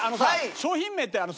商品名ってあのさ